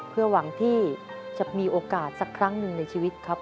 เพื่อหวังที่จะมีโอกาสสักครั้งหนึ่งในชีวิตครับ